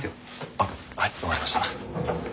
あっはい分かりました。